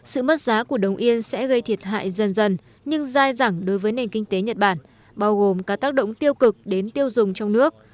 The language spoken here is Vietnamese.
sự mất giá của đồng yên sẽ gây thiệt hại dần dần nhưng dai dẳng đối với nền kinh tế nhật bản bao gồm các tác động tiêu cực đến tiêu dùng trong nước